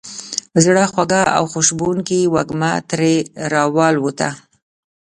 زړه خوږه او خوشبوونکې وږمه ترې را والوته.